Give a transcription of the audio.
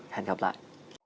hẹn gặp lại